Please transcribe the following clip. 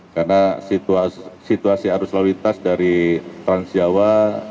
karena situasi arus lalu lintas dari transjawa